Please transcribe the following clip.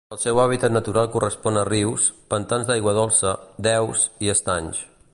El seu hàbitat natural correspon a rius, pantans d'aigua dolça, deus, i estanys.